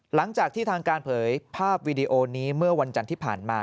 หลังจากที่ทางการเผยภาพวีดีโอนี้เมื่อวันจันทร์ที่ผ่านมา